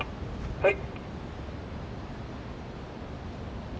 はい。